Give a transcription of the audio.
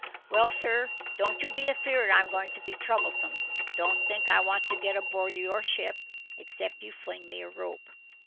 "Well, sir, don't you be afeard I'm going to be troublesome. Don't think I want to get aboard your ship, except you fling me a rope.